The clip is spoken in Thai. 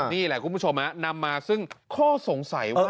นี่แหละคุณผู้ชมนำมาซึ่งข้อสงสัยว่า